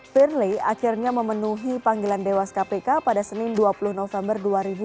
firly akhirnya memenuhi panggilan dewas kpk pada senin dua puluh november dua ribu dua puluh